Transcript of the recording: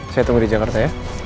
saya tunggu di jakarta ya